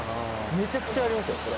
めちゃくちゃありますよこれ。